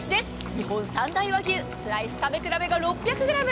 日本三大和牛スライス食べ比べが６００ｇ。